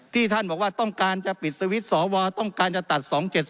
ท่านบอกว่าต้องการจะปิดสวิตช์สวต้องการจะตัด๒๗๒